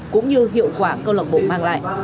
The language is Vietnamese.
cũng như hiệu quả câu lạc bộ mang lại